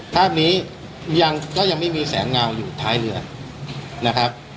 ภาพนี้ยังก็ยังไม่มีแสงเงาอยู่ท้ายเรือนะครับ